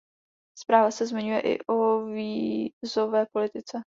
Zpráva se zmiňuje i o vízové politice.